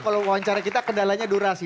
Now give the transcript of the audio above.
kalau wawancara kita kendalanya durasi